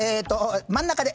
ど真ん中で。